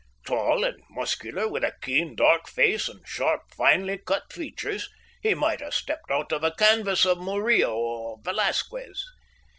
Tall and muscular, with a keen, dark face, and sharp, finely cut features, he might have stepped out of a canvas of Murillo or Velasquez.